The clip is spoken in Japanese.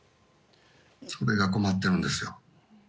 それが困ってるんですよ。